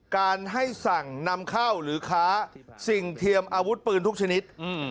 การให้สั่งนำเข้าหรือค้าสิ่งเทียมอาวุธปืนทุกชนิด